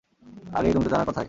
আরে তুমি তো জানার কথাই।